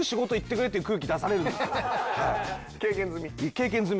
経験済み？